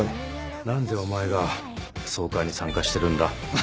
何でお前が総会に参加してるんだ？